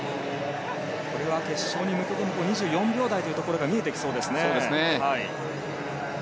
これは決勝に向けても２４秒台というところが見えてきそうですね。